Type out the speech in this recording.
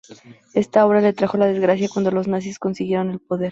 Esta obra le trajo la desgracia cuando los nazis consiguieron el poder.